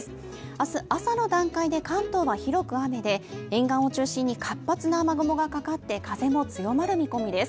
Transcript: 明日朝の段階で関東は広く雨で沿岸を中心に活発な雨雲がかかって風も強まる見込みです。